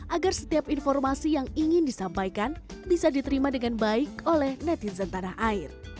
agar setiap informasi yang ingin disampaikan bisa diterima dengan baik oleh netizen tanah air